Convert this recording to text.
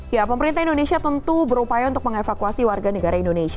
ya pemerintah indonesia tentu berupaya untuk mengevakuasi warga negara indonesia